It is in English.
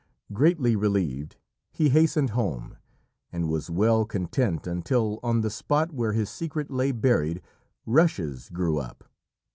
Greatly relieved, he hastened home, and was well content until, on the spot where his secret lay buried, rushes grew up.